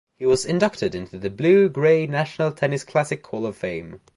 He was inducted into the Blue Gray National Tennis Classic Hall of Fame.